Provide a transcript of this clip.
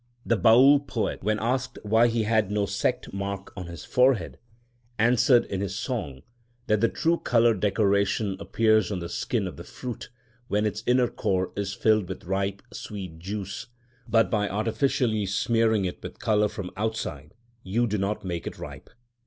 The Baül poet, when asked why he had no sect mark on his forehead, answered in his song that the true colour decoration appears on the skin of the fruit when its inner core is filled with ripe, sweet juice; but by artificially smearing it with colour from outside you do not make it ripe.